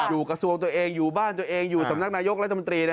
กระทรวงตัวเองอยู่บ้านตัวเองอยู่สำนักนายกรัฐมนตรี